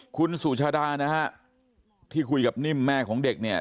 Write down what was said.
คุณสุชาดานะฮะที่คุยกับนิ่มแม่ของเด็กเนี่ย